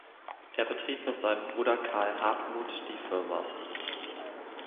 Er betrieb mit seinem Bruder Carl Hardtmuth die Firma.